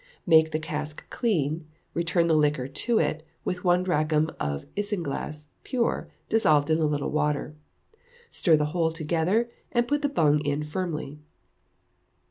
Make the cask clean, return the liquor to it, with one drachm of isinglass (pure) dissolved in a little water; stir the whole together, and put the bung in firmly.